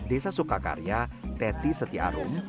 desa sukakarya teti setiarum